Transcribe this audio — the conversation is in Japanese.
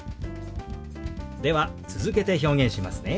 では続けて表現しますね。